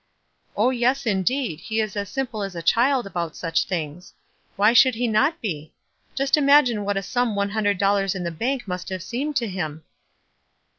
"Oh, yes, indeed, he la as simple as .< child about such things. Why should he not be? Just imagine what a sum, one hundred dollars in the bank must have seemed to him?"